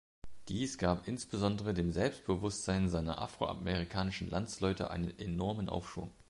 Dies gab insbesondere dem Selbstbewusstsein seiner afroamerikanischen Landsleute einen enormen Aufschwung.